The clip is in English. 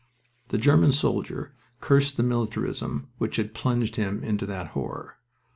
The German soldier cursed the militarism which had plunged him into that horror.